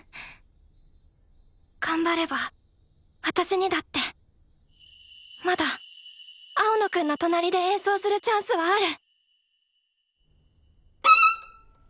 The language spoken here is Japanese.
頑張れば私にだってまだ青野くんの隣で演奏するチャンスはある！